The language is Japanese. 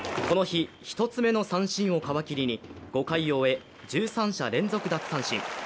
この日１つ目の三振を皮切りに５回を終え１３者連続奪三振。